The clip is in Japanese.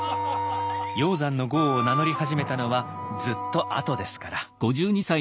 鷹山の号を名乗り始めたのはずっとあとですから。